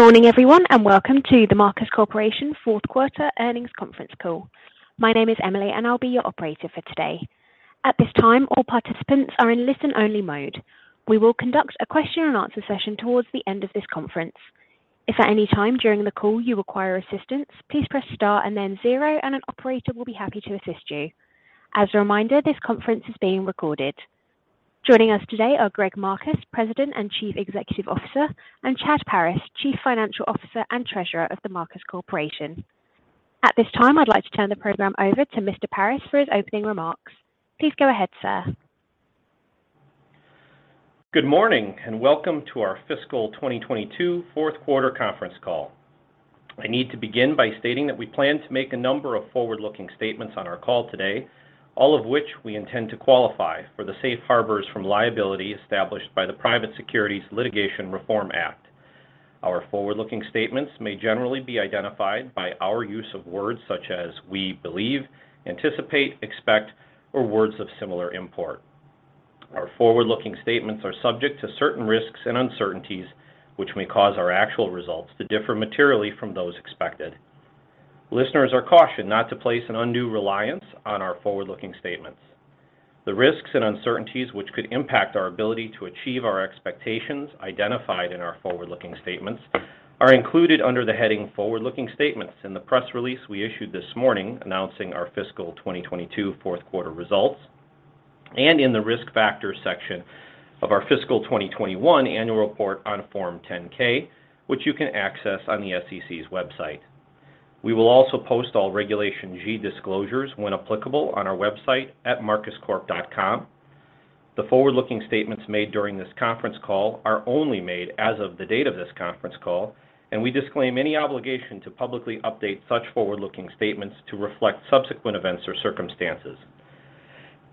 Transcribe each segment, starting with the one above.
Good morning, everyone, and welcome to the Marcus Corporation fourth quarter earnings conference call. My name is Emily and I'll be your operator for today. At this time, all participants are in listen-only mode. We will conduct a question-and-answer session towards the end of this conference. If at any time during the call you require assistance, please press star and then zero, and an operator will be happy to assist you. As a reminder, this conference is being recorded. Joining us today are Greg Marcus, President and Chief Executive Officer, and Chad Paris, Chief Financial Officer and Treasurer of the Marcus Corporation. At this time, I'd like to turn the program over to Mr. Paris for his opening remarks. Please go ahead, sir. Good morning and welcome to our fiscal 2022 fourth quarter conference call. I need to begin by stating that we plan to make a number of forward-looking statements on our call today, all of which we intend to qualify for the safe harbors from liability established by the Private Securities Litigation Reform Act. Our forward-looking statements may generally be identified by our use of words such as we believe, anticipate, expect, or words of similar import. Our forward-looking statements are subject to certain risks and uncertainties, which may cause our actual results to differ materially from those expected. Listeners are cautioned not to place an undue reliance on our forward-looking statements. The risks and uncertainties which could impact our ability to achieve our expectations identified in our Forward-Looking Statements are included under the heading Forward-Looking Statements in the press release we issued this morning announcing our fiscal 2022 fourth quarter results and in the Risk Factors section of our fiscal 2021 annual report on Form 10-K, which you can access on the SEC's website. We will also post all Regulation G disclosures, when applicable, on our website at marcuscorp.com. The Forward-Looking Statements made during this conference call are only made as of the date of this conference call, and we disclaim any obligation to publicly update such Forward-Looking Statements to reflect subsequent events or circumstances.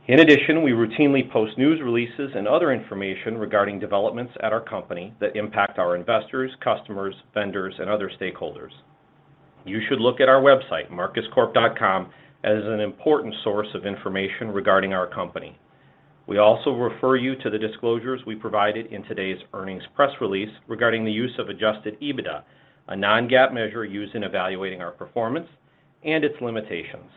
In addition, we routinely post news releases and other information regarding developments at our company that impact our investors, customers, vendors, and other stakeholders. You should look at our website, marcuscorp.com, as an important source of information regarding our company. We also refer you to the disclosures we provided in today's earnings press release regarding the use of adjusted EBITDA, a non-GAAP measure used in evaluating our performance and its limitations.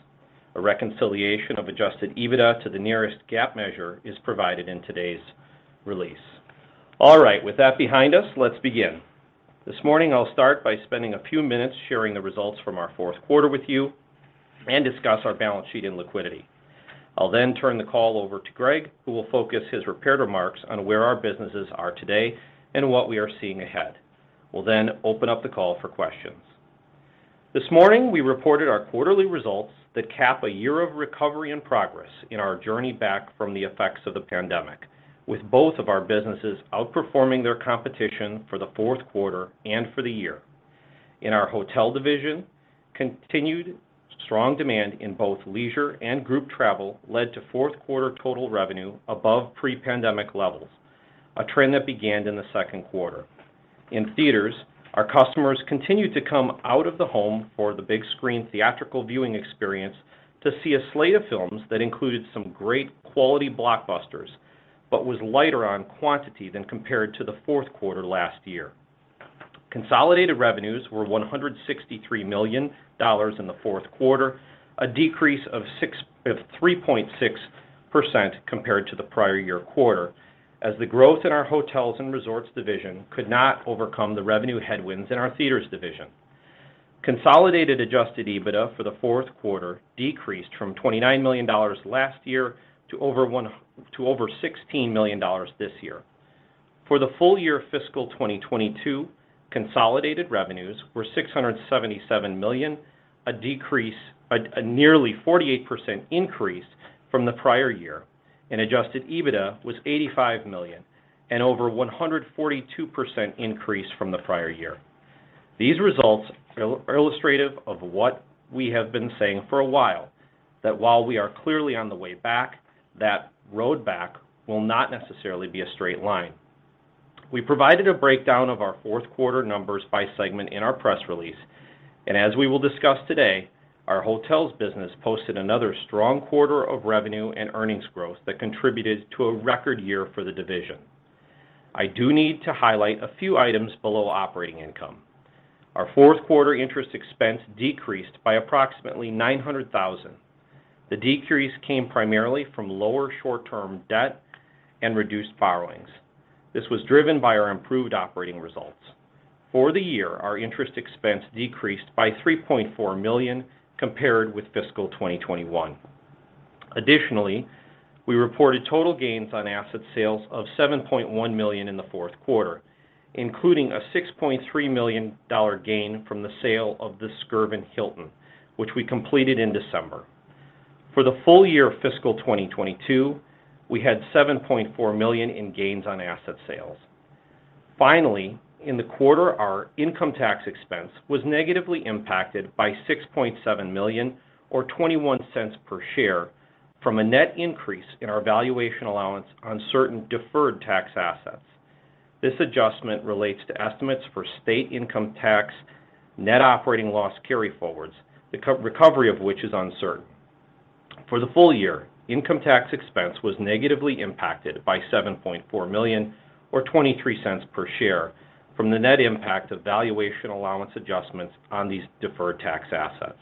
A reconciliation of adjusted EBITDA to the nearest GAAP measure is provided in today's release. With that behind us, let's begin. This morning, I'll start by spending a few minutes sharing the results from our fourth quarter with you and discuss our balance sheet and liquidity. I'll then turn the call over to Greg, who will focus his prepared remarks on where our businesses are today and what we are seeing ahead. We'll then open up the call for questions. This morning, we reported our quarterly results that cap a year of recovery and progress in our journey back from the effects of the pandemic, with both of our businesses outperforming their competition for the fourth quarter and for the year. In our hotel division, continued strong demand in both leisure and group travel led to fourth quarter total revenue above pre-pandemic levels, a trend that began in the second quarter. In theaters, our customers continued to come out of the home for the big screen theatrical viewing experience to see a slate of films that included some great quality blockbusters, was lighter on quantity than compared to the fourth quarter last year. Consolidated revenues were $163 million in the fourth quarter, a decrease of six... of 3.6% compared to the prior year quarter, as the growth in our hotels and resorts division could not overcome the revenue headwinds in our theaters division. Consolidated adjusted EBITDA for the fourth quarter decreased from $29 million last year to over $16 million this year. For the full year fiscal 2022, consolidated revenues were $677 million, a nearly 48% increase from the prior year. adjusted EBITDA was $85 million, an over 142% increase from the prior year. These results are ill-illustrative of what we have been saying for a while, that while we are clearly on the way back, that road back will not necessarily be a straight line. We provided a breakdown of our fourth quarter numbers by segment in our press release. As we will discuss today, our hotels business posted another strong quarter of revenue and earnings growth that contributed to a record year for the division. I do need to highlight a few items below operating income. Our fourth quarter interest expense decreased by approximately $900,000. The decrease came primarily from lower short-term debt and reduced borrowings. This was driven by our improved operating results. For the year, our interest expense decreased by $3.4 million compared with fiscal 2021. We reported total gains on asset sales of $7.1 million in the fourth quarter, including a $6.3 million gain from the sale of the Skirvin Hilton, which we completed in December. For the full year fiscal 2022, we had $7.4 million in gains on asset sales. Finally, in the quarter, our income tax expense was negatively impacted by $6.7 million or $0.21 per share from a net increase in our valuation allowance on certain deferred tax assets. This adjustment relates to estimates for state income tax net operating loss carryforwards, the recovery of which is uncertain. For the full year, income tax expense was negatively impacted by $7.4 million or $0.23 per share from the net impact of valuation allowance adjustments on these deferred tax assets.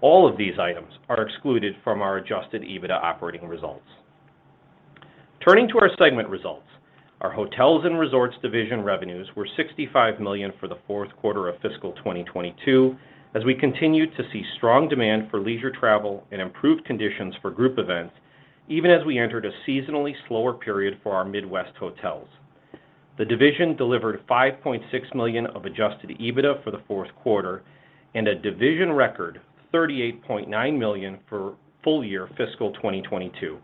All of these items are excluded from our adjusted EBITDA operating results. Turning to our segment results, our hotels and resorts division revenues were $65 million for the fourth quarter of fiscal 2022 as we continued to see strong demand for leisure travel and improved conditions for group events even as we entered a seasonally slower period for our Midwest hotels. The division delivered $5.6 million of adjusted EBITDA for the fourth quarter and a division record $38.9 million for full-year fiscal 2022.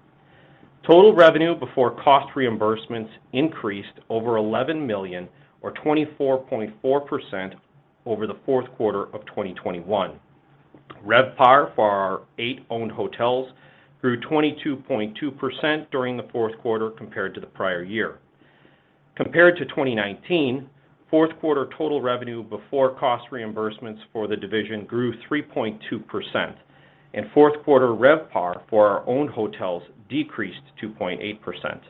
Total revenue before cost reimbursements increased over $11 million or 24.4% over the fourth quarter of 2021. RevPAR for our eight owned hotels grew 22.2% during the fourth quarter compared to the prior year. Compared to 2019, fourth quarter total revenue before cost reimbursements for the division grew 3.2%, and fourth quarter RevPAR for our owned hotels decreased 2.8%.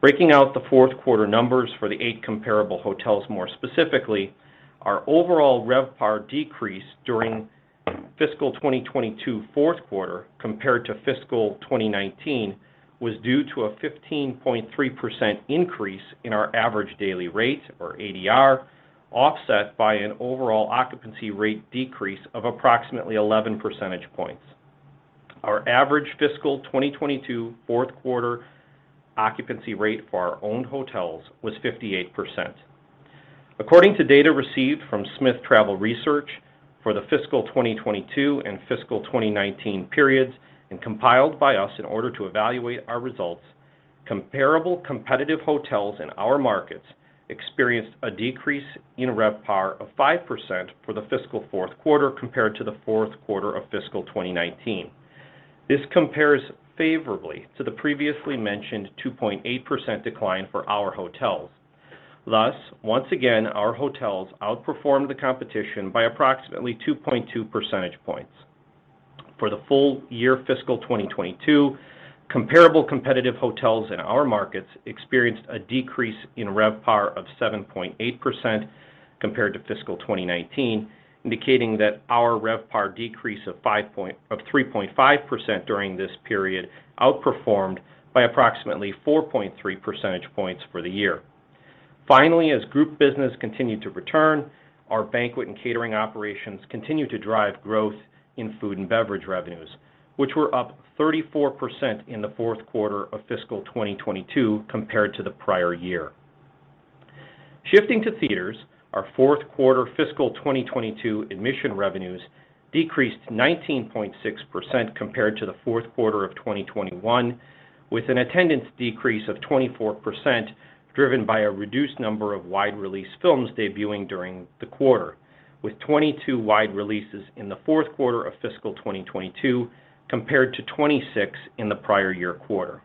Breaking out the fourth quarter numbers for the eight comparable hotels more specifically, our overall RevPAR decrease during fiscal 2022 fourth quarter compared to fiscal 2019 was due to a 15.3% increase in our average daily rate, or ADR, offset by an overall occupancy rate decrease of approximately 11 percentage points. Our average fiscal 2022 fourth quarter occupancy rate for our owned hotels was 58%. According to data received from Smith Travel Research for the fiscal 2022 and fiscal 2019 periods and compiled by us in order to evaluate our results, comparable competitive hotels in our markets experienced a decrease in RevPAR of 5% for the fiscal fourth quarter compared to the fourth quarter of fiscal 2019. This compares favorably to the previously mentioned 2.8% decline for our hotels. Once again, our hotels outperformed the competition by approximately 2.2 percentage points. For the full year fiscal 2022, comparable competitive hotels in our markets experienced a decrease in RevPAR of 7.8% compared to fiscal 2019, indicating that our RevPAR decrease of 3.5% during this period outperformed by approximately 4.3 percentage points for the year. Finally, as group business continued to return, our banquet and catering operations continued to drive growth in food and beverage revenues, which were up 34% in the fourth quarter of fiscal 2022 compared to the prior year. Shifting to theaters, our fourth quarter fiscal 2022 admission revenues decreased 19.6% compared to the fourth quarter of 2021, with an attendance decrease of 24% driven by a reduced number of wide-release films debuting during the quarter, with 22 wide releases in the fourth quarter of fiscal 2022 compared to 26 in the prior year quarter.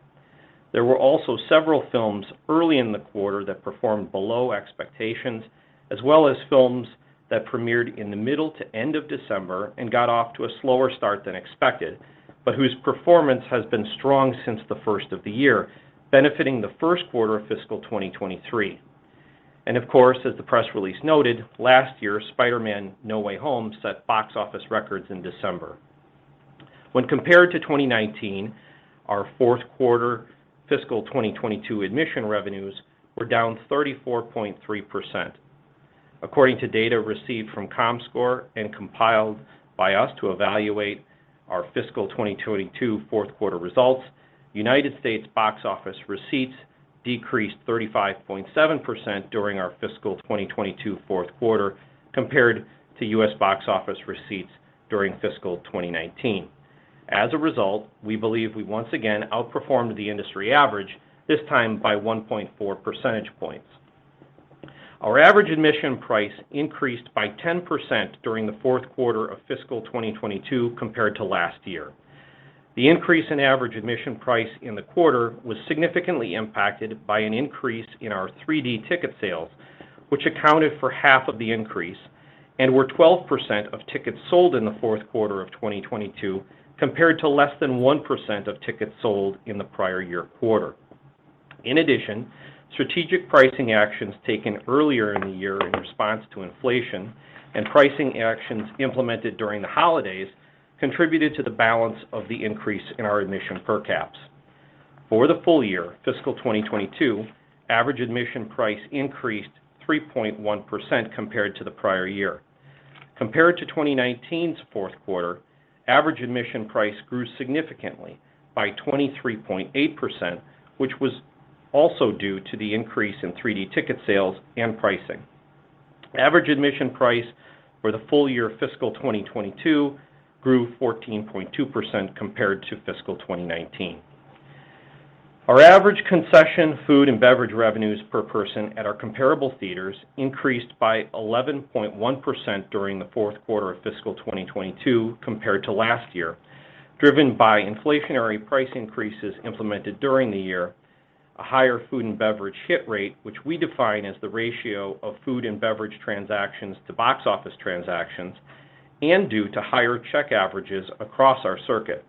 There were also several films early in the quarter that performed below expectations, as well as films that premiered in the middle to end of December and got off to a slower start than expected, but whose performance has been strong since the first of the year, benefiting the first quarter of fiscal 2023. Of course, as the press release noted, last year, Spider-Man: No Way Home set box office records in December. When compared to 2019, our fourth quarter fiscal 2022 admission revenues were down 34.3%. According to data received from Comscore and compiled by us to evaluate our fiscal 2022 fourth quarter results, United States box office receipts decreased 35.7% during our fiscal 2022 fourth quarter compared to U.S. box office receipts during fiscal 2019. As a result, we believe we once again outperformed the industry average, this time by 1.4 percentage points. Our average admission price increased by 10% during the fourth quarter of fiscal 2022 compared to last year. The increase in average admission price in the quarter was significantly impacted by an increase in our 3D ticket sales, which accounted for half of the increase and were 12% of tickets sold in the fourth quarter of 2022 compared to less than 1% of tickets sold in the prior year quarter. In addition, strategic pricing actions taken earlier in the year in response to inflation and pricing actions implemented during the holidays contributed to the balance of the increase in our admission per caps. For the full year fiscal 2022, average admission price increased 3.1% compared to the prior year. Compared to 2019's fourth quarter, average admission price grew significantly by 23.8%, which was also due to the increase in 3D ticket sales and pricing. Average admission price for the full year fiscal 2022 grew 14.2% compared to fiscal 2019. Our average concession food and beverage revenues per person at our comparable theaters increased by 11.1% during the fourth quarter of fiscal 2022 compared to last year, driven by inflationary price increases implemented during the year, a higher food and beverage hit rate, which we define as the ratio of food and beverage transactions to box office transactions, and due to higher check averages across our circuit.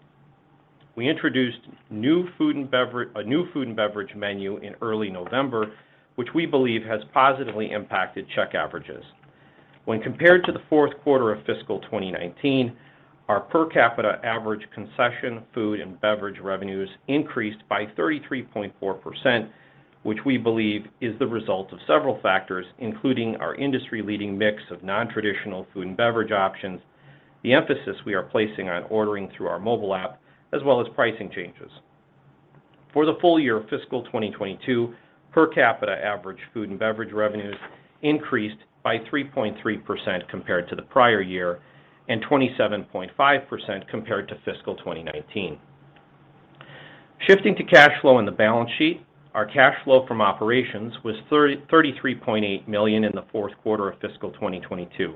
We introduced new food and beverage menu in early November, which we believe has positively impacted check averages. When compared to the fourth quarter of fiscal 2019, our per capita average concession food and beverage revenues increased by 33.4%, which we believe is the result of several factors, including our industry-leading mix of nontraditional food and beverage options, the emphasis we are placing on ordering through our mobile app, as well as pricing changes. For the full year of fiscal 2022, per capita average food and beverage revenues increased by 3.3% compared to the prior year, and 27.5% compared to fiscal 2019. Shifting to cash flow in the balance sheet, our cash flow from operations was $33.8 million in the fourth quarter of fiscal 2022.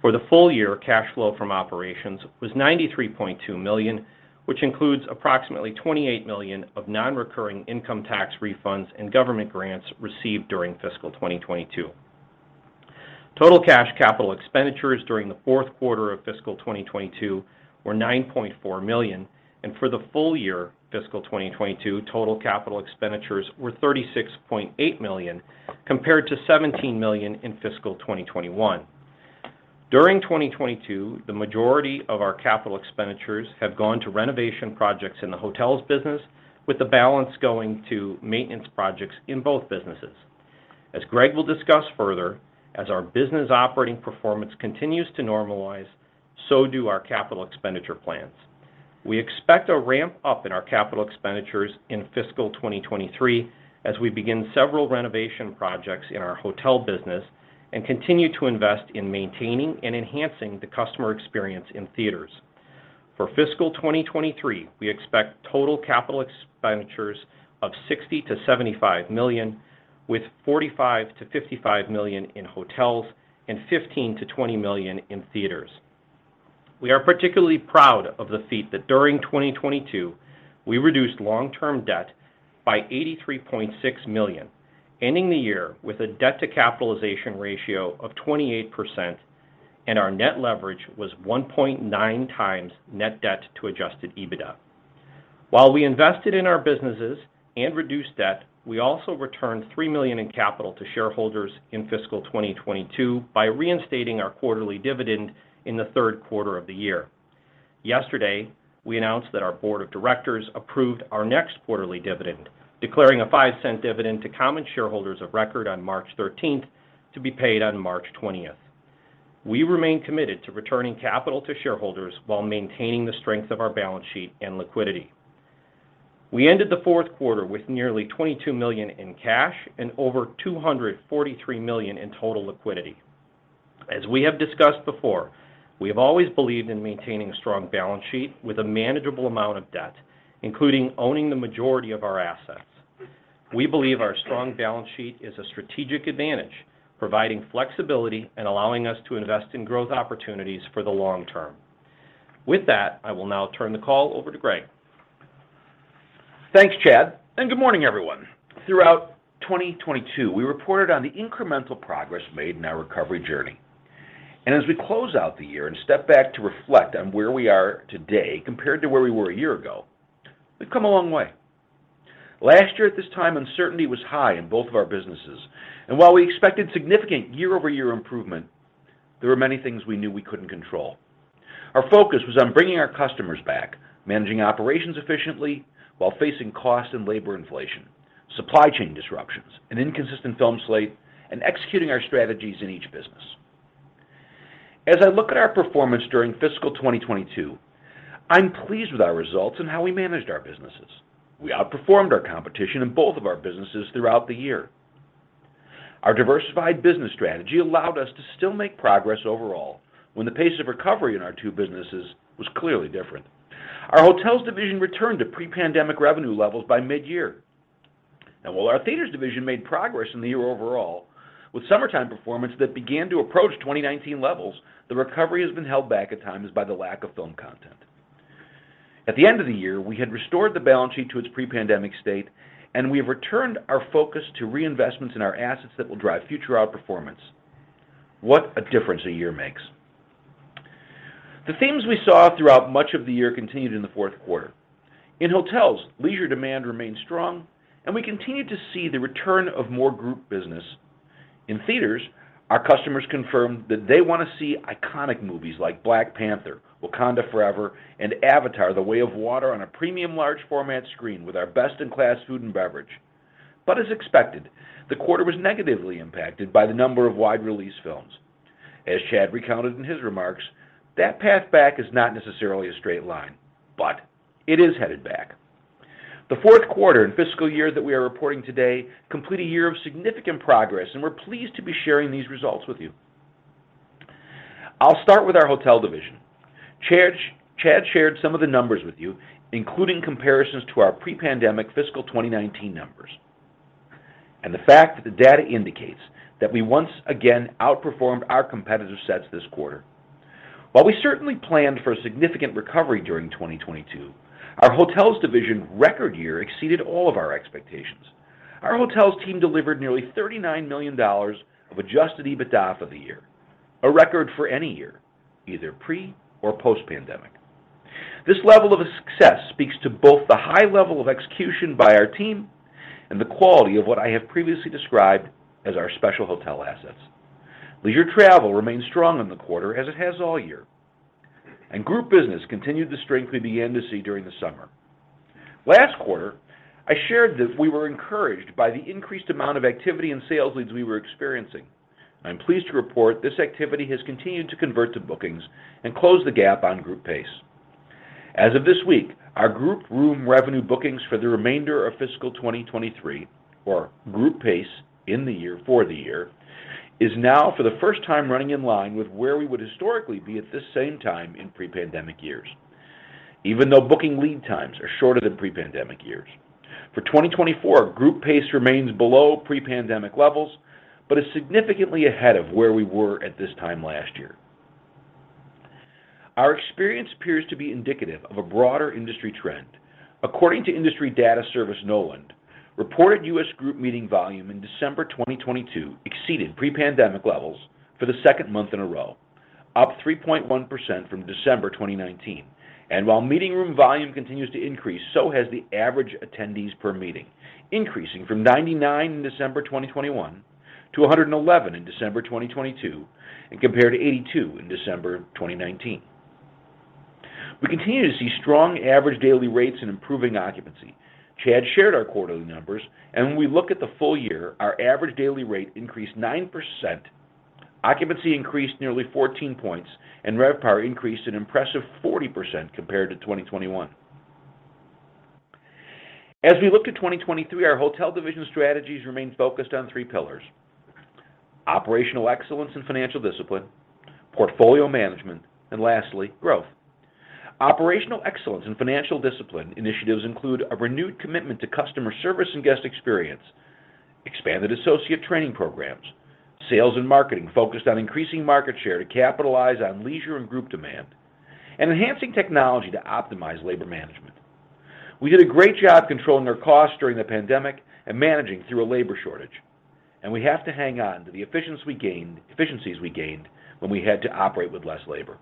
For the full year, cash flow from operations was $93.2 million, which includes approximately $28 million of nonrecurring income tax refunds and government grants received during fiscal 2022. Total cash capital expenditures during the fourth quarter of fiscal 2022 were $9.4 million, and for the full year fiscal 2022, total capital expenditures were $36.8 million compared to $17 million in fiscal 2021. During 2022, the majority of our capital expenditures have gone to renovation projects in the hotels business, with the balance going to maintenance projects in both businesses. As Greg will discuss further, as our business operating performance continues to normalize, so do our capital expenditure plans. We expect a ramp-up in our capital expenditures in fiscal 2023 as we begin several renovation projects in our hotel business and continue to invest in maintaining and enhancing the customer experience in theaters. For fiscal 2023, we expect total capital expenditures of $60 million-$75 million, with $45 million-$55 million in hotels and $15 million-$20 million in theaters. We are particularly proud of the feat that during 2022, we reduced long-term debt by $83.6 million, ending the year with a debt-to-capitalization ratio of 28%. Our net leverage was 1.9x net debt to adjusted EBITDA. While we invested in our businesses and reduced debt, we also returned $3 million in capital to shareholders in fiscal 2022 by reinstating our quarterly dividend in the third quarter of the year. Yesterday, we announced that our board of directors approved our next quarterly dividend, declaring a $0.05 dividend to common shareholders of record on March 13th to be paid on March 20th. We remain committed to returning capital to shareholders while maintaining the strength of our balance sheet and liquidity. We ended the fourth quarter with nearly $22 million in cash and over $243 million in total liquidity. As we have discussed before, we have always believed in maintaining a strong balance sheet with a manageable amount of debt, including owning the majority of our assets. We believe our strong balance sheet is a strategic advantage, providing flexibility and allowing us to invest in growth opportunities for the long term. With that, I will now turn the call over to Greg. Thanks, Chad. Good morning, everyone. Throughout 2022, we reported on the incremental progress made in our recovery journey. As we close out the year and step back to reflect on where we are today compared to where we were a year ago, we've come a long way. Last year at this time, uncertainty was high in both of our businesses, and while we expected significant year-over-year improvement, there were many things we knew we couldn't control. Our focus was on bringing our customers back, managing operations efficiently while facing cost and labor inflation, supply chain disruptions, an inconsistent film slate, and executing our strategies in each business. As I look at our performance during fiscal 2022, I'm pleased with our results and how we managed our businesses. We outperformed our competition in both of our businesses throughout the year. Our diversified business strategy allowed us to still make progress overall when the pace of recovery in our two businesses was clearly different. Our hotels division returned to pre-pandemic revenue levels by mid-year. While our Theatres division made progress in the year overall, with summertime performance that began to approach 2019 levels, the recovery has been held back at times by the lack of film content. At the end of the year, we had restored the balance sheet to its pre-pandemic state, and we have returned our focus to reinvestments in our assets that will drive future outperformance. What a difference a year makes. The themes we saw throughout much of the year continued in the fourth quarter. In hotels, leisure demand remained strong, and we continued to see the return of more group business. In theaters, our customers confirmed that they wanna see iconic movies like Black Panther: Wakanda Forever, and Avatar: The Way of Water on a premium large format screen with our best-in-class food and beverage. As expected, the quarter was negatively impacted by the number of wide-release films. As Chad recounted in his remarks, that path back is not necessarily a straight line, but it is headed back. The fourth quarter and fiscal year that we are reporting today complete a year of significant progress, and we're pleased to be sharing these results with you. I'll start with our hotel division. Chad shared some of the numbers with you, including comparisons to our pre-pandemic fiscal 2019 numbers. The fact that the data indicates that we once again outperformed our competitor sets this quarter. While we certainly planned for a significant recovery during 2022, our hotels division record year exceeded all of our expectations. Our hotels team delivered nearly $39 million of adjusted EBITDA for the year, a record for any year, either pre or post-pandemic. This level of success speaks to both the high level of execution by our team and the quality of what I have previously described as our special hotel assets. Leisure travel remained strong in the quarter, as it has all year. Group business continued the strength we began to see during the summer. Last quarter, I shared that we were encouraged by the increased amount of activity in sales leads we were experiencing. I'm pleased to report this activity has continued to convert to bookings and close the gap on group pace. As of this week, our group room revenue bookings for the remainder of fiscal 2023, or group pace in the year for the year, is now for the first time running in line with where we would historically be at this same time in pre-pandemic years, even though booking lead times are shorter than pre-pandemic years. For 2024, group pace remains below pre-pandemic levels, but is significantly ahead of where we were at this time last year. Our experience appears to be indicative of a broader industry trend. According to industry data service Knowland, reported US group meeting volume in December 2022 exceeded pre-pandemic levels for the second month in a row, up 3.1% from December 2019. While meeting room volume continues to increase, so has the average attendees per meeting, increasing from 99 in December 2021 to 111 in December 2022, and compared to 82 in December 2019. We continue to see strong average daily rates and improving occupancy. Chad shared our quarterly numbers, when we look at the full year, our average daily rate increased 9%, occupancy increased nearly 14 points, and RevPAR increased an impressive 40% compared to 2021. As we look to 2023, our hotel division strategies remain focused on three pillars: operational excellence and financial discipline, portfolio management, and lastly, growth. Operational excellence and financial discipline initiatives include a renewed commitment to customer service and guest experience, expanded associate training programs, sales and marketing focused on increasing market share to capitalize on leisure and group demand, and enhancing technology to optimize labor management. We did a great job controlling our costs during the pandemic and managing through a labor shortage. We have to hang on to the efficiencies we gained when we had to operate with less labor.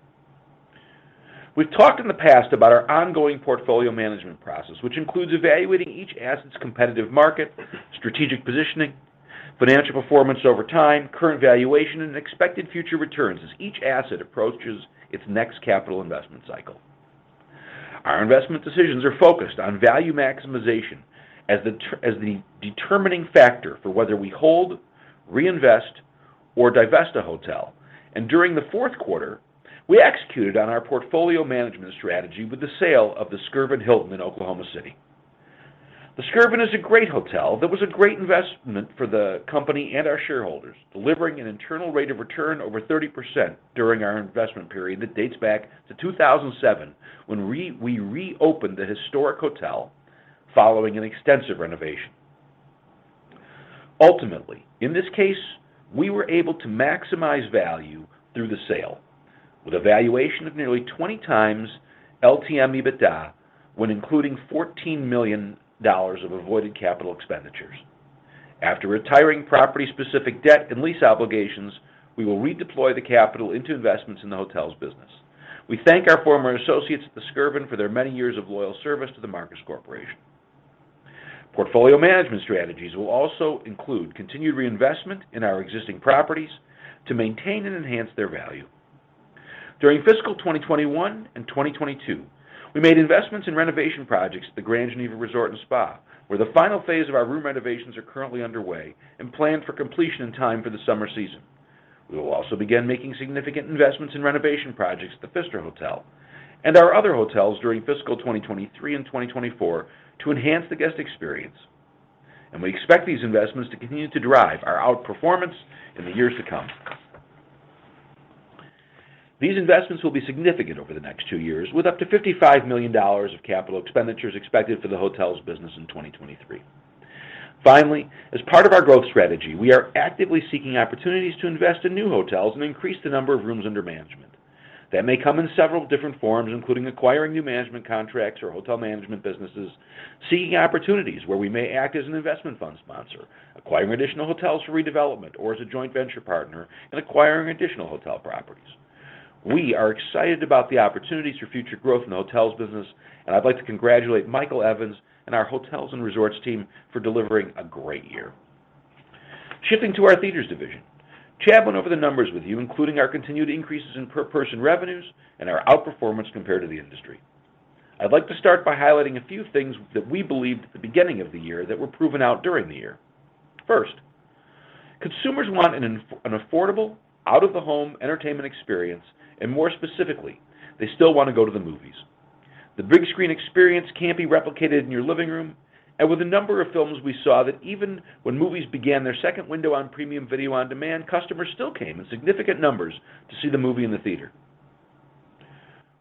We've talked in the past about our ongoing portfolio management process, which includes evaluating each asset's competitive market, strategic positioning, financial performance over time, current valuation, and expected future returns as each asset approaches its next capital investment cycle. Our investment decisions are focused on value maximization as the determining factor for whether we hold, reinvest, or divest a hotel. During the fourth quarter, we executed on our portfolio management strategy with the sale of the Skirvin Hilton in Oklahoma City. The Skirvin is a great hotel that was a great investment for the company and our shareholders, delivering an internal rate of return over 30% during our investment period that dates back to 2007, when we reopened the historic hotel following an extensive renovation. Ultimately, in this case, we were able to maximize value through the sale, with a valuation of nearly 20x LTM EBITDA when including $14 million of avoided capital expenditures. After retiring property-specific debt and lease obligations, we will redeploy the capital into investments in the hotels business. We thank our former associates at the Skirvin for their many years of loyal service to The Marcus Corporation. Portfolio management strategies will also include continued reinvestment in our existing properties to maintain and enhance their value. During fiscal 2021 and 2022, we made investments in renovation projects at the Grand Geneva Resort & Spa, where the final phase of our room renovations are currently underway and planned for completion in time for the summer season. We will also begin making significant investments in renovation projects at The Pfister Hotel and our other hotels during fiscal 2023 and 2024 to enhance the guest experience. We expect these investments to continue to drive our outperformance in the years to come. These investments will be significant over the next two years, with up to $55 million of capital expenditures expected for the hotels business in 2023. Finally, as part of our growth strategy, we are actively seeking opportunities to invest in new hotels and increase the number of rooms under management. That may come in several different forms, including acquiring new management contracts or hotel management businesses, seeking opportunities where we may act as an investment fund sponsor, acquiring additional hotels for redevelopment or as a joint venture partner, and acquiring additional hotel properties. We are excited about the opportunities for future growth in the hotels business, and I'd like to congratulate Michael Evans and our Hotels & Resorts team for delivering a great year. Shifting to our Theatres division. Chad went over the numbers with you, including our continued increases in per person revenues and our outperformance compared to the industry. I'd like to start by highlighting a few things that we believed at the beginning of the year that were proven out during the year. First, consumers want an affordable, out-of-the-home entertainment experience, and more specifically, they still wanna go to the movies. The big screen experience can't be replicated in your living room, and with a number of films, we saw that even when movies began their second window on premium video on demand, customers still came in significant numbers to see the movie in the theater.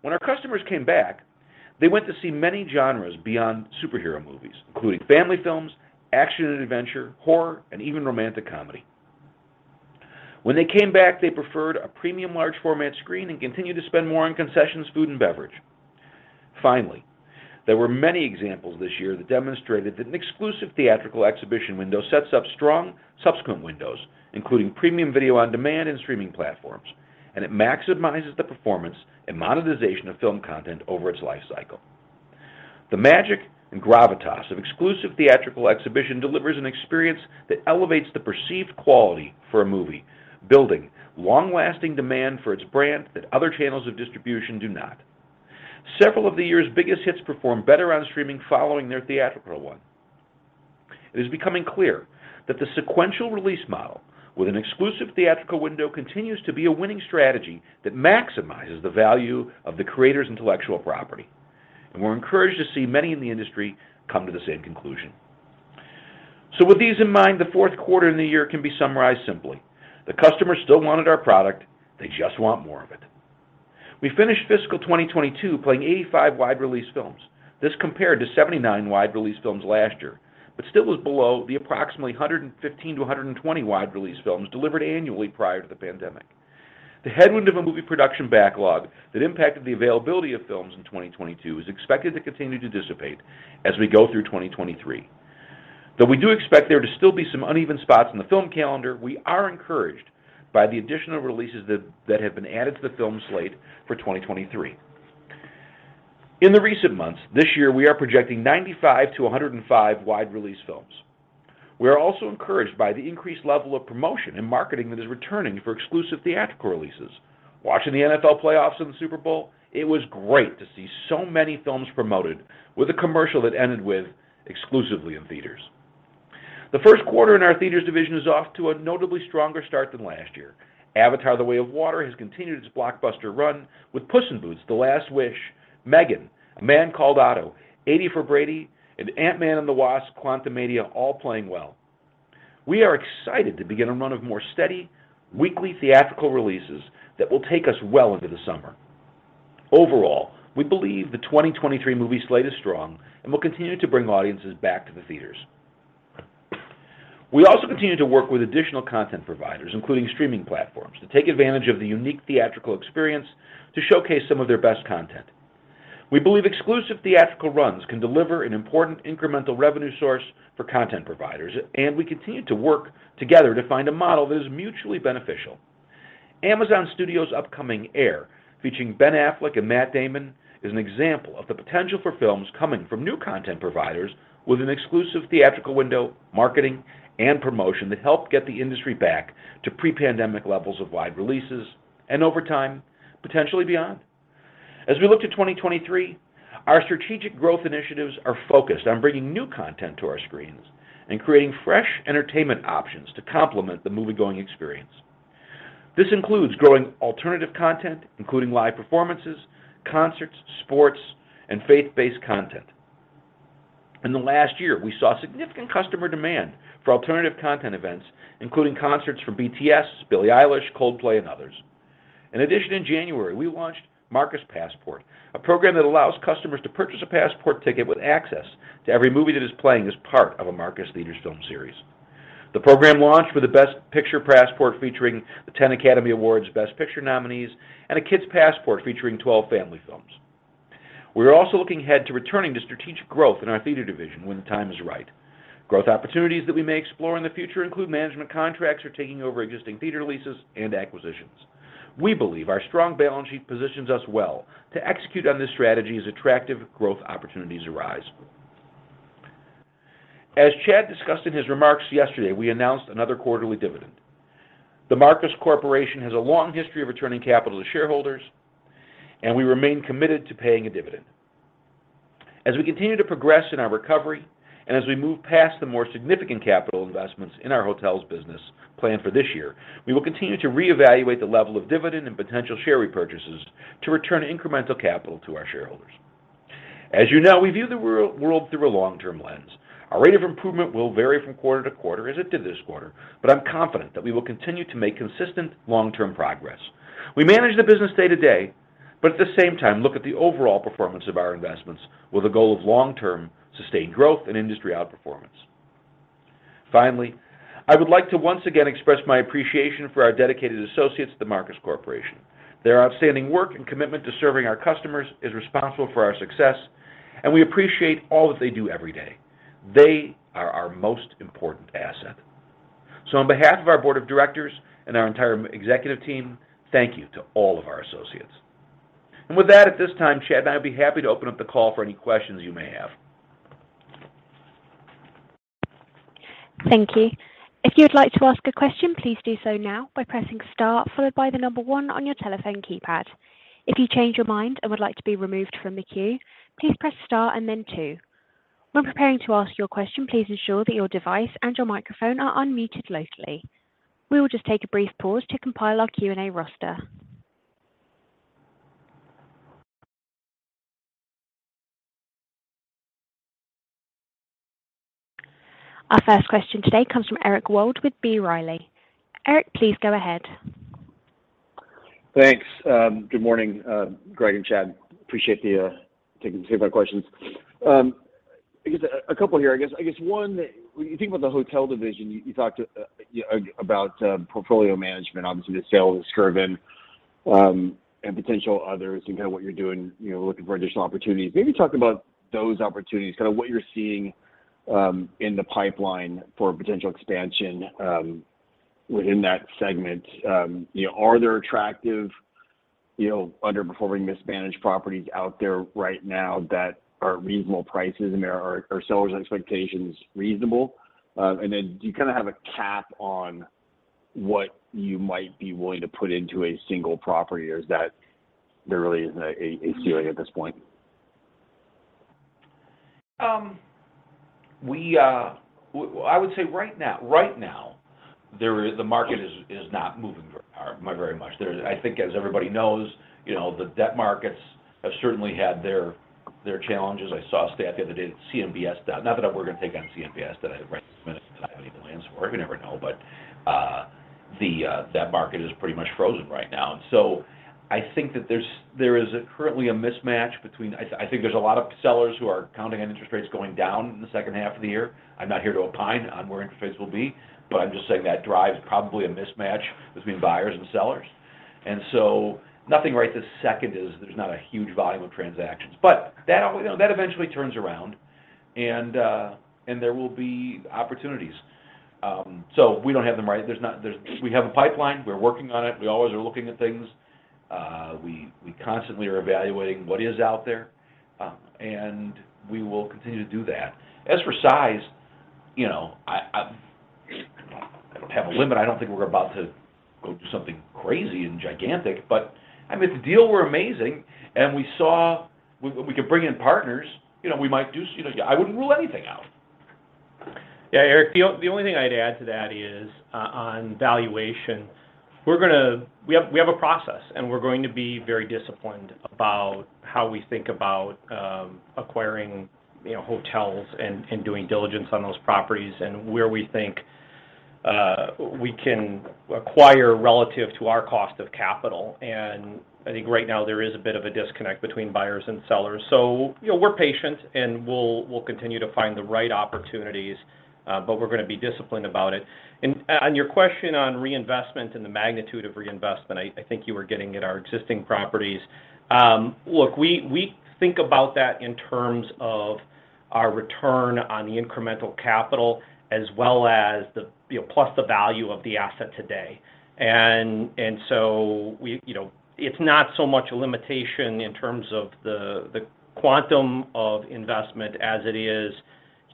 When our customers came back, they went to see many genres beyond superhero movies, including family films, action and adventure, horror, and even romantic comedy. When they came back, they preferred a premium large format screen and continued to spend more on concessions, food, and beverage. Finally, there were many examples this year that demonstrated that an exclusive theatrical exhibition window sets up strong subsequent windows, including premium video on demand and streaming platforms, and it maximizes the performance and monetization of film content over its life cycle. The magic and gravitas of exclusive theatrical exhibition delivers an experience that elevates the perceived quality for a movie, building long-lasting demand for its brand that other channels of distribution do not. Several of the year's biggest hits performed better on streaming following their theatrical run. It is becoming clear that the sequential release model with an an exclusive theatrical window continues to be a winning strategy that maximizes the value of the creator's intellectual property, and we're encouraged to see many in the industry come to the same conclusion. With these in mind, the fourth quarter in the year can be summarized simply. The customer still wanted our product. They just want more of it. We finished fiscal 2022 playing 85 wide-release films. This compared to 79 wide-release films last year but still was below the approximately 115 wide-release-120 wide-release films delivered annually prior to the pandemic. The headwind of a movie production backlog that impacted the availability of films in 2022 is expected to continue to dissipate as we go through 2023. We do expect there to still be some uneven spots in the film calendar, we are encouraged by the additional releases that have been added to the film slate for 2023. In the recent months, this year we are projecting 95 wide-release-105 wide-release films. We are also encouraged by the increased level of promotion and marketing that is returning for exclusive theatrical releases. Watching the NFL playoffs and the Super Bowl, it was great to see so many films promoted with a commercial that ended with exclusively in theaters. The first quarter in our theaters division is off to a notably stronger start than last year. Avatar: The Way of Water has continued its blockbuster run with Puss in Boots: The Last Wish, M3GAN, A Man Called Otto, 80 for Brady, and Ant-Man and the Wasp: Quantumania all playing well. We are excited to begin a run of more steady weekly theatrical releases that will take us well into the summer. Overall, we believe the 2023 movie slate is strong and will continue to bring audiences back to the theaters. We also continue to work with additional content providers, including streaming platforms, to take advantage of the unique theatrical experience to showcase some of their best content. We believe exclusive theatrical runs can deliver an important incremental revenue source for content providers. We continue to work together to find a model that is mutually beneficial. Amazon Studios' upcoming Air, featuring Ben Affleck and Matt Damon, is an example of the potential for films coming from new content providers with an exclusive theatrical window, marketing, and promotion that help get the industry back to pre-pandemic levels of wide releases and over time, potentially beyond. As we look to 2023, our strategic growth initiatives are focused on bringing new content to our screens and creating fresh entertainment options to complement the moviegoing experience. This includes growing alternative content, including live performances, concerts, sports, and faith-based content. In the last year, we saw significant customer demand for alternative content events, including concerts from BTS, Billie Eilish, Coldplay, and others. In addition, in January, we launched Marcus Passport, a program that allows customers to purchase a passport ticket with access to every movie that is playing as part of a Marcus Theatres film series. The program launched with a Best Picture Passport featuring the 10 Academy Awards Best Picture nominees and a kids passport featuring 12 family films. We are also looking ahead to returning to strategic growth in our theater division when the time is right. Growth opportunities that we may explore in the future include management contracts or taking over existing theater leases and acquisitions. We believe our strong balance sheet positions us well to execute on this strategy as attractive growth opportunities arise. As Chad discussed in his remarks yesterday, we announced another quarterly dividend. The Marcus Corporation has a long history of returning capital to shareholders, and we remain committed to paying a dividend. As we continue to progress in our recovery and as we move past the more significant capital investments in our hotels business planned for this year, we will continue to reevaluate the level of dividend and potential share repurchases to return incremental capital to our shareholders. As you know, we view the world through a long-term lens. Our rate of improvement will vary from quarter to quarter as it did this quarter, but I'm confident that we will continue to make consistent long-term progress. We manage the business day to day but at the same time look at the overall performance of our investments with a goal of long-term sustained growth and industry outperformance. Finally, I would like to once again express my appreciation for our dedicated associates at The Marcus Corporation. Their outstanding work and commitment to serving our customers is responsible for our success. We appreciate all that they do every day. They are our most important asset. On behalf of our board of directors and our entire executive team, thank you to all of our associates. With that, at this time, Chad and I'd be happy to open up the call for any questions you may have. Thank you. If you would like to ask a question, please do so now by pressing star followed by 1 on your telephone keypad. If you change your mind and would like to be removed from the queue, please press star and then 2. When preparing to ask your question, please ensure that your device and your microphone are unmuted locally. We will just take a brief pause to compile our Q&A roster. Our first question today comes from Eric Wold with B. Riley. Eric, please go ahead. Thanks. Good morning, Greg and Chad. Appreciate the taking two of my questions. I guess a couple here. I guess one, when you think about the hotel division, you talked about portfolio management, obviously the sale of Skirvin, and potential others and kind of what you're doing, you know, looking for additional opportunities. Maybe talk about those opportunities, kind of what you're seeing in the pipeline for potential expansion within that segment. You know, are there attractive, you know, underperforming, mismanaged properties out there right now that are reasonable prices? I mean, are sellers' expectations reasonable? Then do you kinda have a cap on what you might be willing to put into a single property, or is that there really isn't a ceiling at this point? Well, I would say right now, there is the market is not moving very much. There's, I think as everybody knows, you know, the debt markets have certainly had their challenges. I saw a stat the other day that CMBS debt, not that we're gonna take on CMBS debt I have any plans for. You never know, but the that market is pretty much frozen right now. I think that there's, there is currently a mismatch between. I think there's a lot of sellers who are counting on interest rates going down in the second half of the year. I'm not here to opine on where interest rates will be, but I'm just saying that drives probably a mismatch between buyers and sellers. Nothing right this second is there's not a huge volume of transactions, but that, you know, that eventually turns around and there will be opportunities. We don't have them, right? We have a pipeline, we're working on it. We always are looking at things. We constantly are evaluating what is out there, and we will continue to do that. As for size, you know, I don't have a limit. I don't think we're about to go do something crazy and gigantic, but I mean, if the deal were amazing and we saw we could bring in partners, you know, we might do. You know, I wouldn't rule anything out. Yeah. Eric, the only thing I'd add to that is on valuation, we're gonna. We have a process, and we're going to be very disciplined about how we think about acquiring, you know, hotels and doing diligence on those properties and where we think we can acquire relative to our cost of capital. I think right now there is a bit of a disconnect between buyers and sellers. You know, we're patient, and we'll continue to find the right opportunities, but we're gonna be disciplined about it. On your question on reinvestment and the magnitude of reinvestment, I think you were getting at our existing properties. Look, we think about that in terms of our return on the incremental capital as well as the, you know, plus the value of the asset today. You know, it's not so much a limitation in terms of the quantum of investment as it is,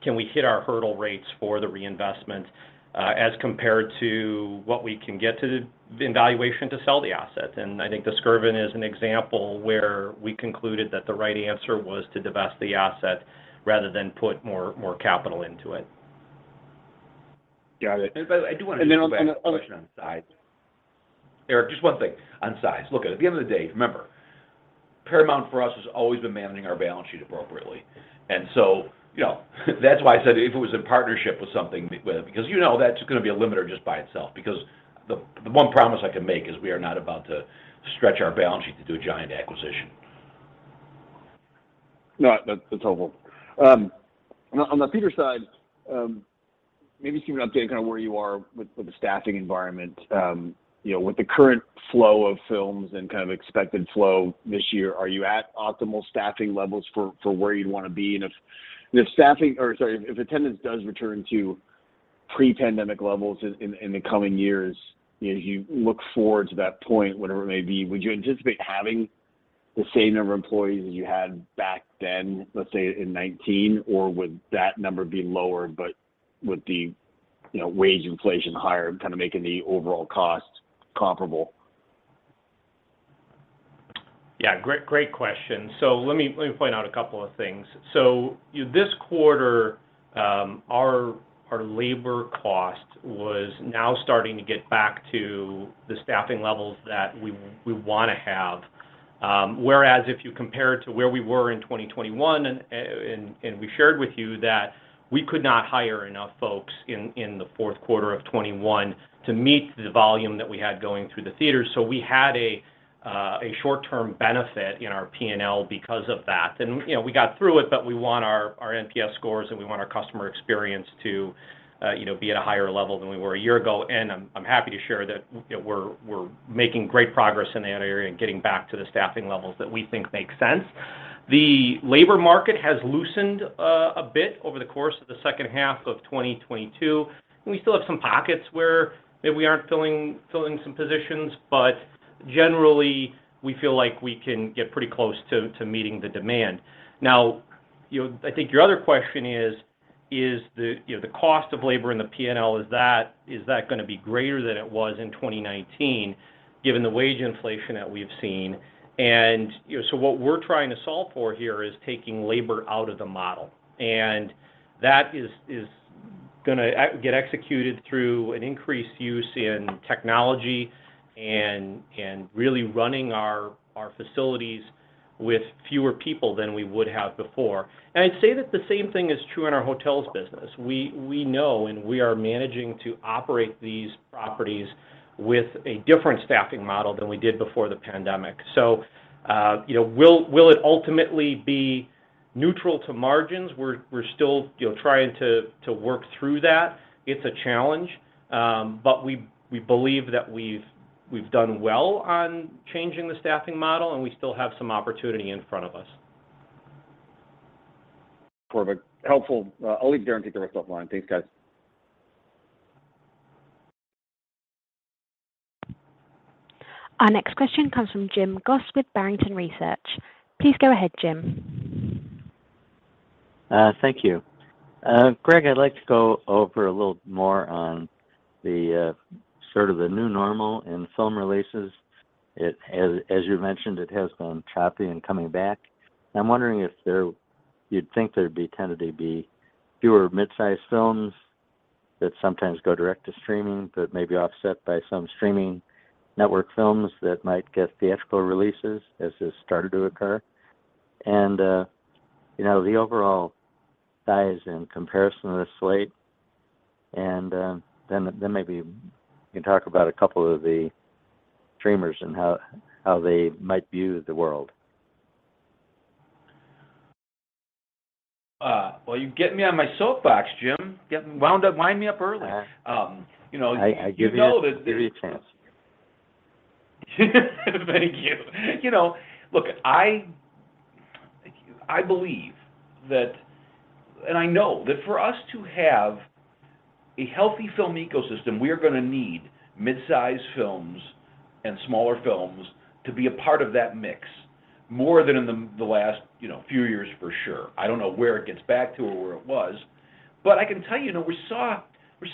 can we hit our hurdle rates for the reinvestment as compared to what we can get to in valuation to sell the asset. I think the Skirvin is an example where we concluded that the right answer was to divest the asset rather than put more capital into it. Got it. by the way, I do wanna go back. And then on, on the other- Question on size. Eric, just one thing on size. Look, at the end of the day, remember, Paramount for us has always been managing our balance sheet appropriately. you know, that's why I said if it was in partnership with something, because you know that's gonna be a limiter just by itself. The one promise I can make is we are not about to stretch our balance sheet to do a giant acquisition. No, that's helpful. On the theater side, maybe just give an update kind of where you are with the staffing environment. You know, with the current flow of films and kind of expected flow this year, are you at optimal staffing levels for where you'd wanna be? If attendance does return to pre-pandemic levels in the coming years, you know, as you look forward to that point, whatever it may be, would you anticipate having the same number of employees as you had back then, let's say in 2019? Or would that number be lower, but with the, you know, wage inflation higher, kind of making the overall cost comparable? Yeah. Great question. Let me point out a couple of things. This quarter, our labor cost was now starting to get back to the staffing levels that we wanna have. Whereas if you compare it to where we were in 2021 and we shared with you that we could not hire enough folks in the fourth quarter of 2021 to meet the volume that we had going through the theatres, so we had a short-term benefit in our P&L because of that. You know, we got through it, but we want our NPS scores and we want our customer experience to, you know, be at a higher level than we were a year ago. I'm happy to share that, you know, we're making great progress in that area and getting back to the staffing levels that we think make sense. The labor market has loosened a bit over the course of the second half of 2022, and we still have some pockets where maybe we aren't filling some positions, but generally, we feel like we can get pretty close to meeting the demand. You know, I think your other question is the, you know, the cost of labor and the P&L, is that gonna be greater than it was in 2019 given the wage inflation that we've seen? You know, what we're trying to solve for here is taking labor out of the model. That is. Going to get executed through an increased use in technology and really running our facilities with fewer people than we would have before. I'd say that the same thing is true in our hotels business. We know and we are managing to operate these properties with a different staffing model than we did before the pandemic. You know, will it ultimately be neutral to margins? We're still, you know, trying to work through that. It's a challenge, but we believe that we've done well on changing the staffing model, we still have some opportunity in front of us. Perfect. Helpful. I'll leave guarantee the rest offline. Thanks, guys. Our next question comes from Jim Goss with Barrington Research. Please go ahead, Jim. Thank you. Greg, I'd like to go over a little more on the sort of the new normal in film releases. As you mentioned, it has been choppy in coming back. I'm wondering if you'd think there'd be tended to be fewer mid-sized films that sometimes go direct to streaming, but may be offset by some streaming network films that might get theatrical releases, as has started to occur. You know, the overall size in comparison to the slate. Then maybe you can talk about a couple of the streamers and how they might view the world. Well, you get me on my soapbox, Jim. Wind me up early. Yeah. Um, you know- I give you- You know that. I give you a chance. Thank you. You know, look, I believe that, I know, that for us to have a healthy film ecosystem, we're gonna need mid-size films and smaller films to be a part of that mix more than in the last, you know, few years, for sure. I don't know where it gets back to or where it was, I can tell you know, we're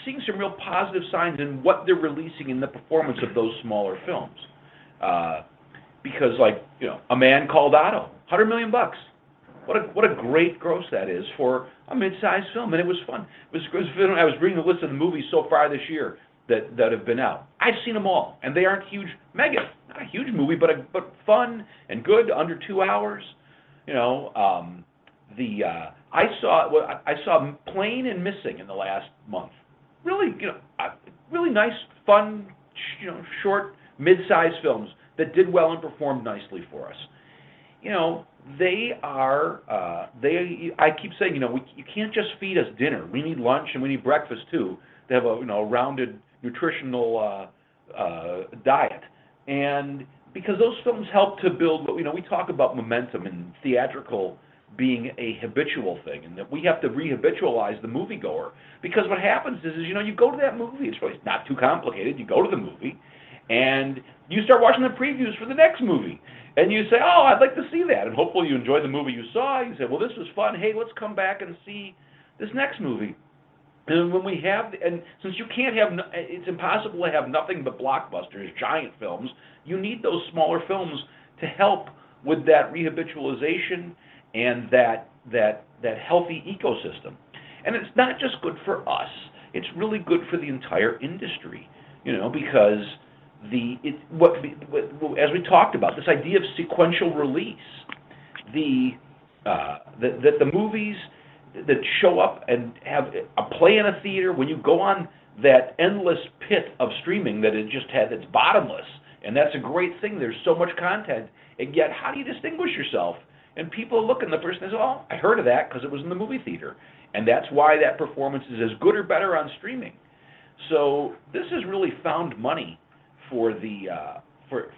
seeing some real positive signs in what they're releasing and the performance of those smaller films. Because like, you know, A Man Called Otto, $100 million. What a great gross that is for a mid-size film, It was fun. It was a good film. I was reading a list of the movies so far this year that have been out. I've seen them all, They aren't huge. M3GAN, not a huge movie, but a, but fun and good, under two hours. You know, I saw, well, I saw Plane and Missing in the last month. Really, you know, really nice, fun, you know, short, mid-size films that did well and performed nicely for us. You know, they are, I keep saying, you know, you can't just feed us dinner. We need lunch and we need breakfast too to have a, you know, a rounded nutritional diet. Because those films help to build what. You know, we talk about momentum and theatrical being a habitual thing, and that we have to rehabitualize the moviegoer. What happens is, you know, you go to that movie, it's really not too complicated. You go to the movie, and you start watching the previews for the next movie. You say, "Oh, I'd like to see that." Hopefully, you enjoy the movie you saw, and you say, "Well, this was fun. Hey, let's come back and see this next movie." When we have the... Since you can't have nothing but blockbusters, giant films. You need those smaller films to help with that rehabitualization and that healthy ecosystem. It's not just good for us. It's really good for the entire industry, you know, because as we talked about, this idea of sequential release. The movies that show up and have a play in a theater, when you go on that endless pit of streaming that it just has, it's bottomless, and that's a great thing. There's so much content, and yet how do you distinguish yourself? People look and the person says, "Oh, I heard of that because it was in the movie theater." That's why that performance is as good or better on streaming. This is really found money for the,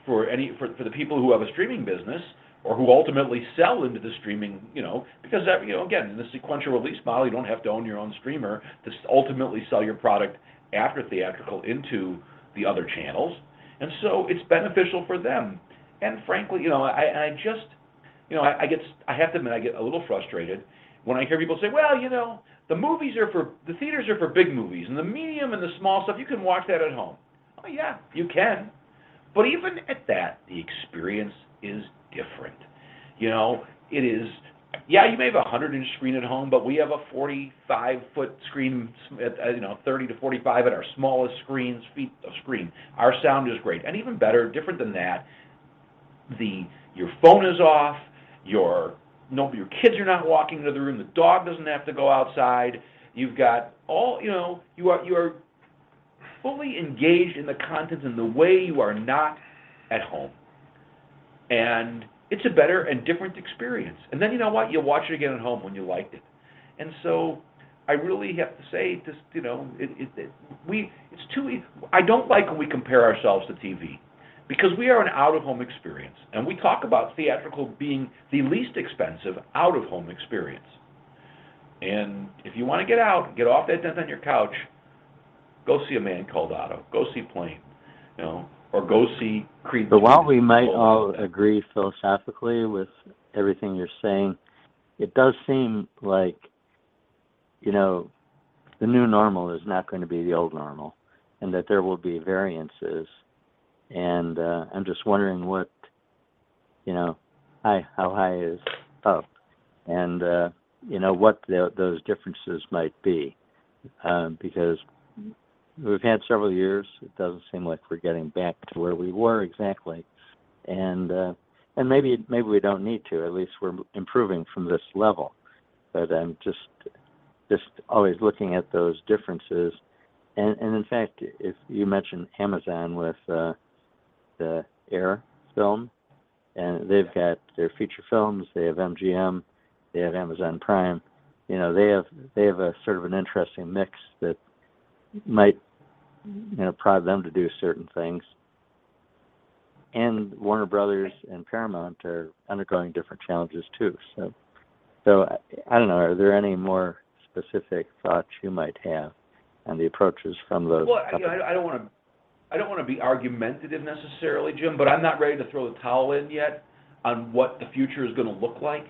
for any, for the people who have a streaming business or who ultimately sell into the streaming, you know. That, you know, again, in the sequential release model, you don't have to own your own streamer to ultimately sell your product after theatrical into the other channels. It's beneficial for them. Frankly, you know, I just... You know, I get... I have to admit, I get a little frustrated when I hear people say, "Well, you know, the movies are for the theaters are for big movies, and the medium and the small stuff, you can watch that at home." Oh yeah, you can. Even at that, the experience is different. You know, it is. Yeah, you may have a 100-inch screen at home, but we have a 45-foot screen, you know, 30-45 at our smallest screens, feet of screen. Our sound is great. Even better, different than that, your phone is off, your kids are not walking into the room, the dog doesn't have to go outside. You've got all, you know. You are fully engaged in the content in the way you are not at home. It's a better and different experience. You know what? You'll watch it again at home when you liked it. I really have to say this, you know, I don't like when we compare ourselves to TV because we are an out-of-home experience, and we talk about theatrical being the least expensive out-of-home experience. If you wanna get out, get off that desk on your couch, go see A Man Called Otto. Go see Plane, you know, or go see Creed... While we might all agree philosophically with everything you're saying, it does seem like, you know, the new normal is not gonna be the old normal, and that there will be variances. I'm just wondering, you know, how high is up? You know, what those differences might be, because we've had several years, it doesn't seem like we're getting back to where we were exactly. Maybe, maybe we don't need to, at least we're improving from this level. I'm just always looking at those differences. In fact, if you mentioned Amazon with the Air film, and they've got their feature films, they have MGM, they have Amazon Prime. You know, they have a sort of an interesting mix that might, you know, prod them to do certain things. Warner Bros. and Paramount are undergoing different challenges too. I don't know, are there any more specific thoughts you might have on the approaches from those companies? Well, I don't wanna be argumentative necessarily, Jim, but I'm not ready to throw the towel in yet on what the future is gonna look like.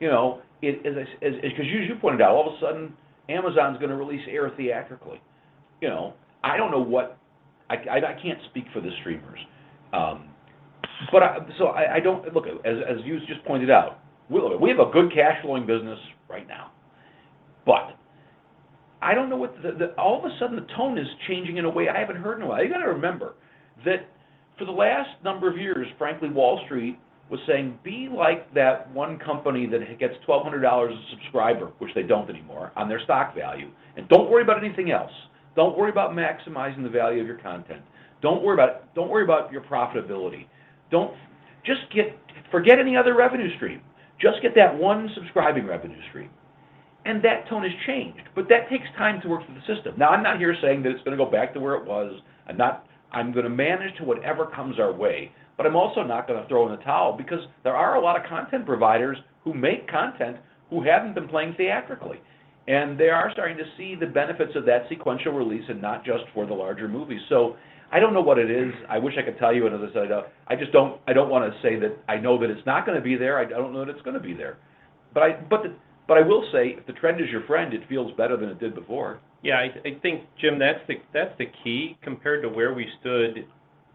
You know, it, as 'cause you pointed out, all of a sudden, Amazon's gonna release Air theatrically. You know, I don't know I can't speak for the streamers. Look, as you just pointed out, we have a good cash flowing business right now. I don't know what all of a sudden the tone is changing in a way I haven't heard in a while. You gotta remember that for the last number of years, frankly, Wall Street was saying, "Be like that one company that gets $1,200 a subscriber," which they don't anymore, on their stock value, "and don't worry about anything else. Don't worry about maximizing the value of your content. Don't worry about your profitability. Forget any other revenue stream. Just get that one subscribing revenue stream." That tone has changed, but that takes time to work through the system. Now, I'm not here saying that it's gonna go back to where it was. I'm gonna manage to whatever comes our way, I'm also not gonna throw in the towel because there are a lot of content providers who make content who haven't been playing theatrically, They are starting to see the benefits of that sequential release and not just for the larger movies. I don't know what it is. I wish I could tell you, As I said, I don't, I just don't wanna say that I know that it's not gonna be there. I don't know that it's gonna be there. I will say if the trend is your friend, it feels better than it did before. Yeah, I think, Jim, that's the, that's the key compared to where we stood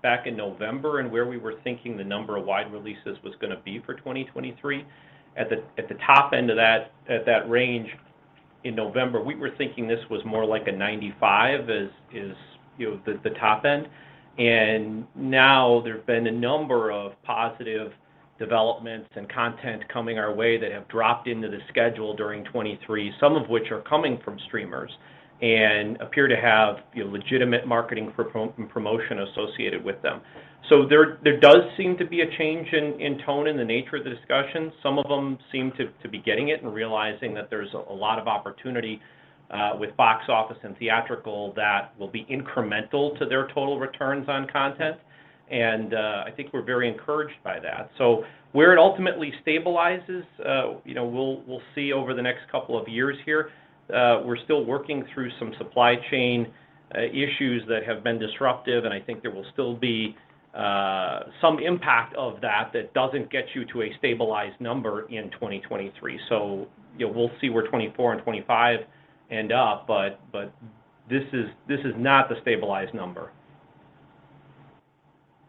back in November and where we were thinking the number of wide releases was gonna be for 2023. At the, at the top end of that, at that range in November, we were thinking this was more like a 95 as, you know, the top end. Now there's been a number of positive developments and content coming our way that have dropped into the schedule during 2023, some of which are coming from streamers and appear to have, you know, legitimate marketing promotion associated with them. There, there does seem to be a change in tone and the nature of the discussion. Some of them seem to be getting it and realizing that there's a lot of opportunity with box office and theatrical that will be incremental to their total returns on content. I think we're very encouraged by that. Where it ultimately stabilizes, you know, we'll see over the next couple of years here. We're still working through some supply chain issues that have been disruptive, and I think there will still be some impact of that that doesn't get you to a stabilized number in 2023. You know, we'll see where 2024 and 2025 end up, but this is not the stabilized number.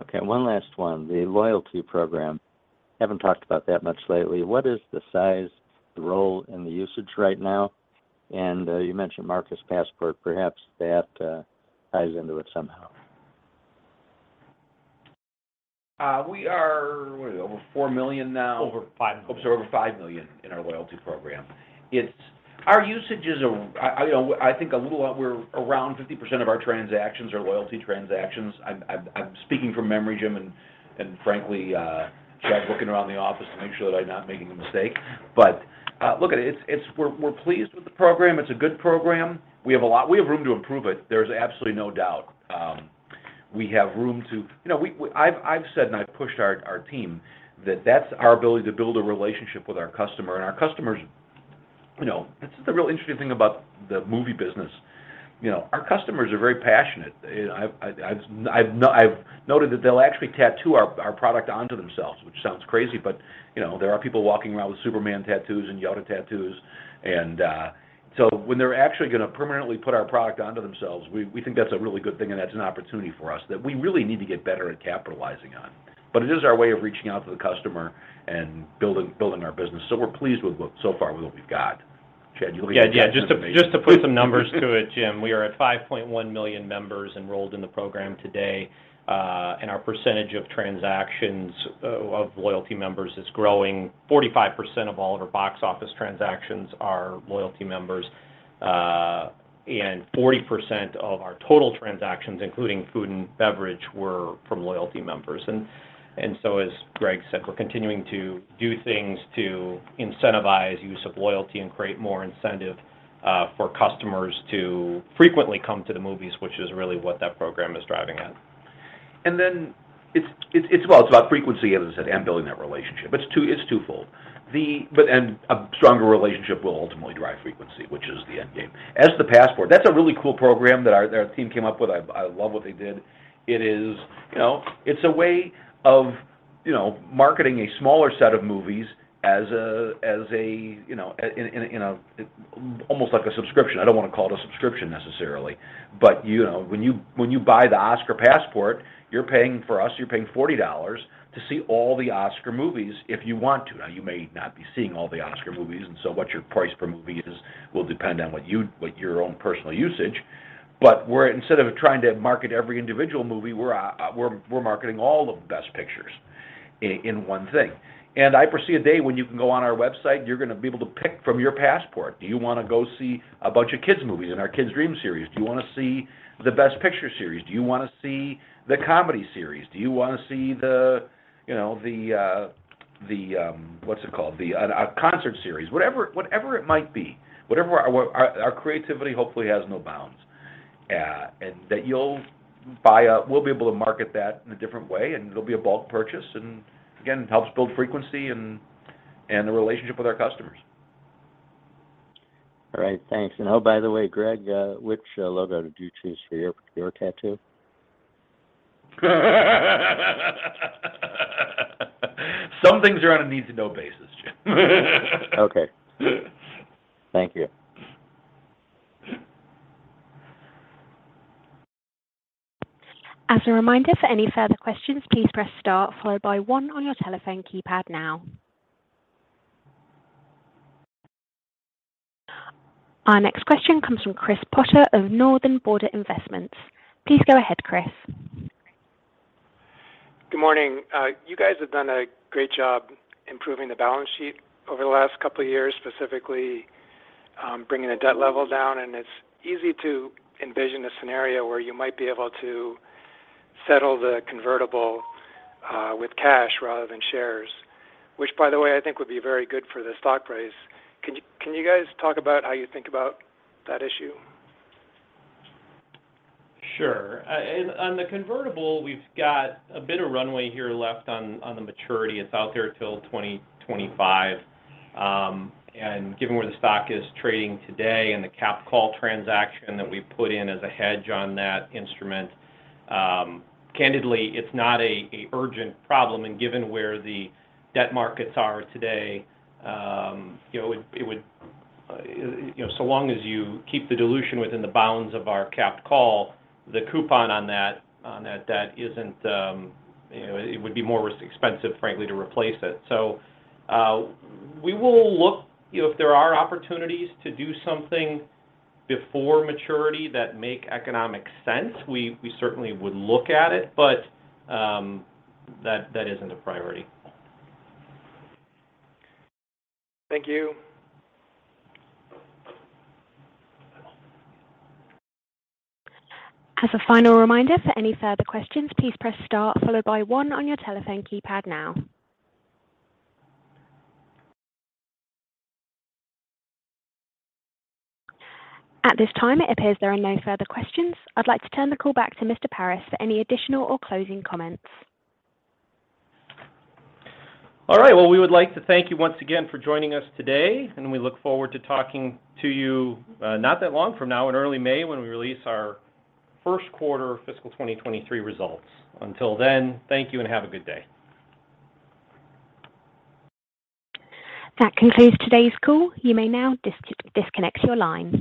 Okay, one last one. The loyalty program. Haven't talked about that much lately. What is the size, the role, and the usage right now? You mentioned Marcus Passport, perhaps that ties into it somehow. What are we, over $4 million now? Over $5 million. Oops, over $5 million in our loyalty program. It's, our usage is, you know, I think we're around 50% of our transactions are loyalty transactions. I'm speaking from memory, Jim, and frankly, Chad's looking around the office to make sure that I'm not making a mistake. Look at it, we're pleased with the program. It's a good program. We have room to improve it. There's absolutely no doubt, we have room. You know, I've said and I've pushed our team that that's our ability to build a relationship with our customer, and our customers, you know, that's the real interesting thing about the movie business. You know, our customers are very passionate. I've noted that they'll actually tattoo our product onto themselves, which sounds crazy, but you know, there are people walking around with Superman tattoos and Yoda tattoos. So when they're actually gonna permanently put our product onto themselves, we think that's a really good thing and that's an opportunity for us that we really need to get better at capitalizing on. It is our way of reaching out to the customer and building our business. We're pleased with what, so far with what we've got. Chad, you wanna give them some information? Yeah. Yeah. Just to put some numbers to it, Jim, we are at 5.1 million members enrolled in the program today. Our percentage of transactions of loyalty members is growing. 45% of all of our box office transactions are loyalty members. 40% of our total transactions, including food and beverage, were from loyalty members. As Greg said, we're continuing to do things to incentivize use of loyalty and create more incentive for customers to frequently come to the movies, which is really what that program is driving at. Then it's, well, it's about frequency, as I said, and building that relationship. It's twofold. A stronger relationship will ultimately drive frequency, which is the end game. As the Passport, that's a really cool program that our team came up with. I love what they did. It is, you know, it's a way of marketing a smaller set of movies as a, you know, almost like a subscription. I don't wanna call it a subscription necessarily, but, you know, when you buy the Oscar Passport, for us, you're paying $40 to see all the Oscar movies if you want to. Now, you may not be seeing all the Oscar movies, what your price per movie is will depend on what your own personal usage. We're, instead of trying to market every individual movie, we're marketing all the best pictures in one thing. I foresee a day when you can go on our website, and you're gonna be able to pick from your Marcus Passport. Do you wanna go see a bunch of kids movies in our Kids Dream series? Do you wanna see the Best Picture series? Do you wanna see the comedy series? Do you wanna see the, you know, the, what's it called? The, a concert series. Whatever, whatever it might be, whatever our creativity hopefully has no bounds. And that you'll buy a... We'll be able to market that in a different way, and it'll be a bulk purchase. Again, it helps build frequency and the relationship with our customers. All right, thanks. Oh, by the way, Greg, which logo did you choose for your tattoo? Some things are on a need-to-know basis, Jim. Okay. Thank you. As a reminder, for any further questions, please press star followed by one on your telephone keypad now. Our next question comes from Chris Potter of Northern Border Investments. Please go ahead, Chris. Good morning. You guys have done a great job improving the balance sheet over the last couple of years, specifically, bringing the debt level down, and it's easy to envision a scenario where you might be able to settle the convertible with cash rather than shares. Which by the way, I think would be very good for the stock price. Can you guys talk about how you think about that issue? Sure. And on the convertible, we've got a bit of runway here left on the maturity. It's out there till 2025. And given where the stock is trading today and the capped call transaction that we put in as a hedge on that instrument, candidly, it's not a urgent problem, and given where the debt markets are today, you know, it would, you know, so long as you keep the dilution within the bounds of our capped call, the coupon on that, on that debt isn't, you know... It would be more expensive, frankly, to replace it. We will look, you know, if there are opportunities to do something before maturity that make economic sense, we certainly would look at it, but, that isn't a priority. Thank you. As a final reminder, for any further questions, please press star followed by one on your telephone keypad now. At this time, it appears there are no further questions. I'd like to turn the call back to Mr. Paris for any additional or closing comments. All right. Well, we would like to thank you once again for joining us today. We look forward to talking to you not that long from now in early May when we release our first quarter fiscal 2023 results. Until then, thank you and have a good day. That concludes today's call. You may now disconnect your lines.